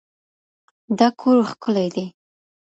دا کور ښکلی دی